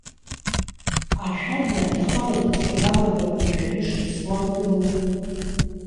Ашәада ихала дыцәо далагар ҳәа ишәаны ишыԥсуа бдыруоу?